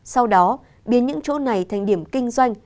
sau đó biến những chỗ này thành điểm kinh doanh